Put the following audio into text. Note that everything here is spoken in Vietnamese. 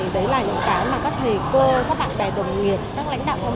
đấy là những cái mà các thầy cô các bạn bè đồng nghiệp các lãnh đạo trong